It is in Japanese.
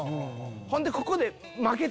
ほんでここで。